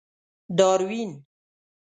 داروېن.